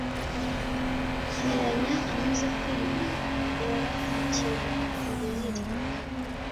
Nkiranya amaze kwima Iraramukirwa Muririre